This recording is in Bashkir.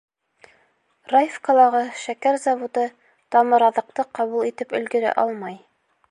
Раевкалағы шәкәр заводы тамыраҙыҡты ҡабул итеп өлгөрә алмай